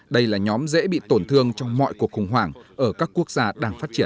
đây là nhóm dễ bị tổn thương trong mọi cuộc khủng hoảng ở các quốc gia đang phát triển